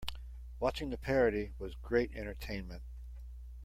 Watching the parody was great entertainment.